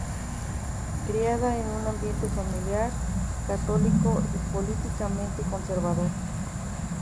Criada en un ambiente familiar católico y políticamente conservador.